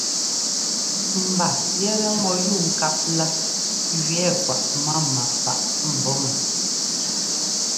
Mba yɛtɛ mɔyúubŋkáp lá gẅɛɛ kwaꞌ mama faꞌ mbɔ̌ mɔ.